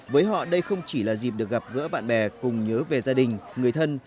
với họ đây không chỉ là dịp được gặp gỡ bạn bè cùng nhớ về gia đình người thân